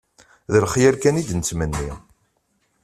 D lexyal kan i d-nettmenni